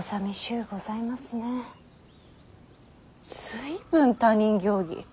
随分他人行儀。